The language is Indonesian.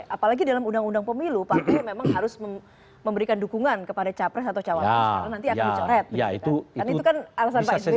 apalagi dalam undang undang pemilu pak jokowi memang harus memberikan dukungan kepada capres atau cawangkul karena nanti akan diceret